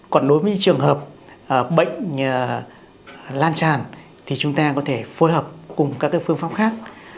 còn đối với những trường hợp bệnh lan tràn thì chúng ta có thể phối hợp cùng các phương pháp khác